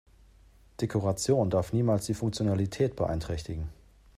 Dekoration darf niemals die Funktionalität beeinträchtigen.